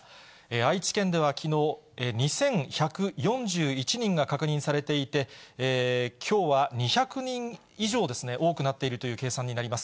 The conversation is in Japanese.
愛知県ではきのう、２１４１人が確認されていて、きょうは２００人以上ですね、多くなっているという計算になります。